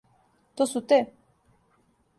То су те?